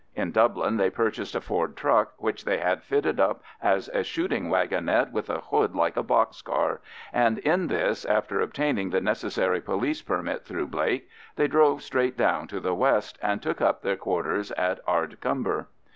In Dublin they purchased a Ford truck, which they had fitted up as a shooting waggonette with a hood like a boxcar, and in this, after obtaining the necessary police permit through Blake, they drove straight down to the west, and took up their quarters at Ardcumber.